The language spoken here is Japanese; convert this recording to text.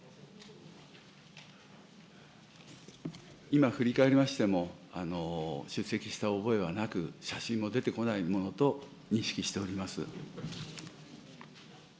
今振り返りましても、出席した覚えはなく、写真も出てこないものと認識しております。